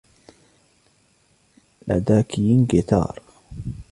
لدى كين غيتار.